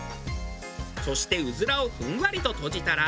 そしてうずらをふんわりととじたら。